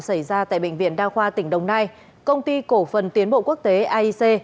xảy ra tại bệnh viện đa khoa tỉnh đồng nai công ty cổ phần tiến bộ quốc tế aic